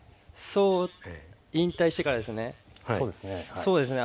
引退してからですね。